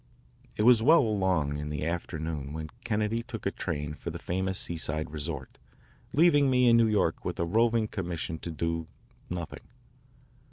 It was well along in the afternoon when Kennedy took a train for the famous seaside resort, leaving me in New York with a roving commission to do nothing.